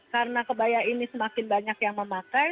karena kebaya ini semakin banyak yang memakai